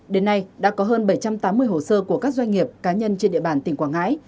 đến nay đã có hơn bảy trăm tám mươi hồ sơ của các doanh nghiệp cá nhân trên địa bàn tỉnh quảng ngãi